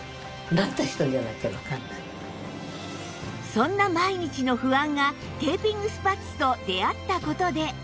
そんな毎日の不安がテーピングスパッツと出会った事で